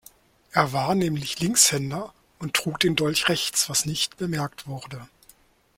Er war nämlich Linkshänder und trug den Dolch rechts, was nicht bemerkt wurde.